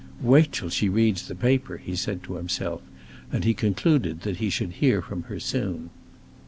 "Wait till she reads the paper!" he said to himself; and he concluded that he should hear from her soon.